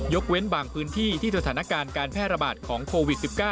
เว้นบางพื้นที่ที่สถานการณ์การแพร่ระบาดของโควิด๑๙